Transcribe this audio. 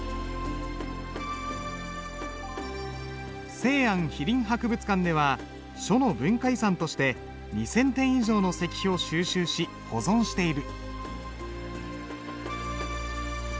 西安碑林博物館では書の文化遺産として２，０００点以上の石碑を収集し保存している。